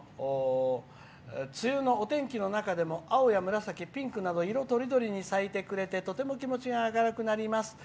梅雨のお天気の中でも青や紫、ピンクなど色とりどりに咲いてくれてとても気持ちが明るくなります。